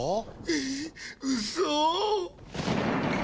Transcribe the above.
ええうそ。